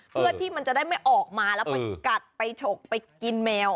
เพื่อที่มันจะได้ไม่ออกมาแล้วไปกัดไปฉกไปกินแมว